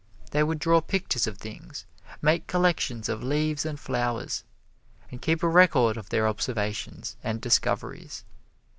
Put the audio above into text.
They would draw pictures of things, make collections of leaves and flowers, and keep a record of their observations and discoveries.